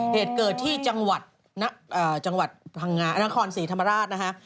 เหตุเกิดที่จังหวัดพังงานครศรีธรรมราชนะฮะ